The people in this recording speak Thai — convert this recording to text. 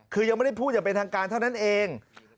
คือยังไม่ได้พูดอย่างเป็นทางการเท่านั้นเอง